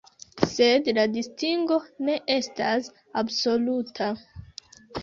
Sed la distingo ne estas absoluta.